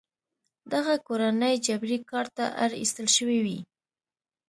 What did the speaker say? دغه کورنۍ جبري کار ته اړ ایستل شوې وې.